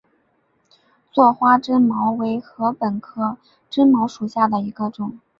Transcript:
座花针茅为禾本科针茅属下的一个种。